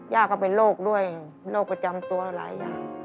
ย่าก็เป็นโรคด้วยโรคประจำตัวหลายอย่าง